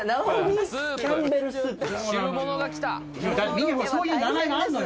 みんなそういう名前があんのよ